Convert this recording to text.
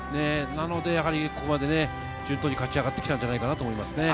なので、ここまで順当に勝ち上がってきたんじゃないかなと思います。